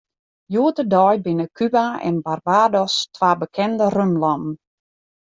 Hjoed-de-dei binne Kuba en Barbados twa bekende rumlannen.